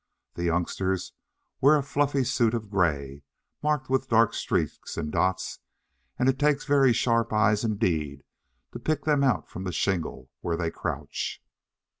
The youngsters wear a fluffy suit of grey, marked with dark streaks and dots; and it takes very sharp eyes indeed to pick them out from the shingle where they crouch.